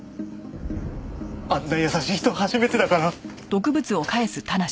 あんな優しい人初めてだから。